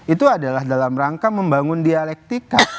itu adalah dalam rangka membangun dialektika